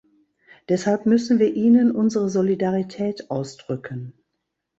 Deshalb müssen wir ihnen unsere Solidarität ausdrücken.